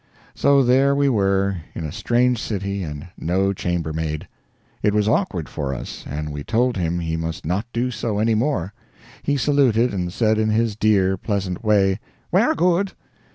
So there we were in a strange city and no chambermaid. It was awkward for us, and we told him he must not do so any more. He saluted and said in his dear, pleasant way, "Wair good."